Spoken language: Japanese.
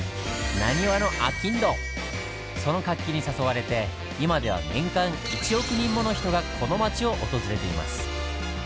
その活気に誘われて今では年間１億人もの人がこの町を訪れています。